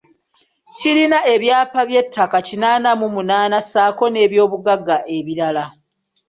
Kirina ebyapa by’ettaka kinaana mu munaana ssaako n’ebyobugagga ebirala.